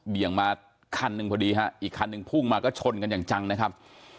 มาคันหนึ่งพอดีฮะอีกคันหนึ่งพุ่งมาก็ชนกันอย่างจังนะครับ